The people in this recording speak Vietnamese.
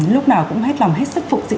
lúc nào cũng hết lòng hết sức phụ giữ